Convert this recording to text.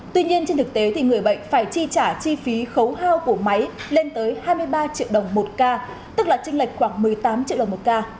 tuy nhiên trên thực tế thì người bệnh phải chi trả chi phí khấu hao của máy lên tới hai mươi ba triệu đồng một ca tức là trinh lệch khoảng một mươi tám triệu đồng một ca